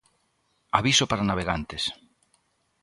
Aviso para navegantes.